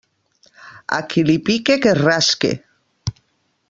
A qui li pique, que es rasque.